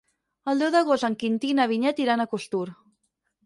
El deu d'agost en Quintí i na Vinyet iran a Costur.